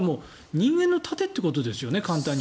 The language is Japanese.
人間の盾ってことですよね。